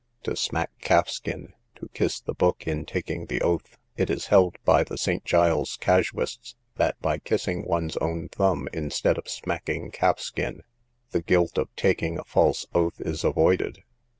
To smack calfskin; to kiss the book in taking the oath. It is held by the St. Giles's casuists, that by kissing one's own thumb instead of smacking calfskin, the guilt of taking a false oath is avoided.